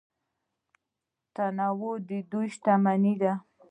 تنوع د دوی شتمني ده.